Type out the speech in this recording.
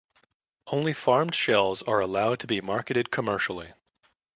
Only farmed shells are allowed to be marketed commercially.